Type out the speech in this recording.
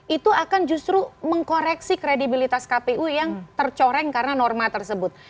itu akan justru mengkoreksi kredibilitas kpu yang tercoreng karena norma tersebut